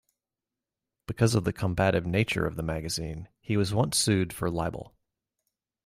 Because of the combative nature of the magazine, he was once sued for libel.